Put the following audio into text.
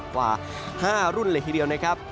กว่า๕รุ่นเลยทีเดียวนะครับ